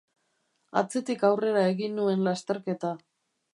Atzetik aurrera egin nuen lasterketa.